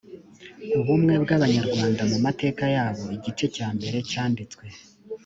ubumwe bw abanyarwanda mu mateka yabo igice cya mbere cyanditswe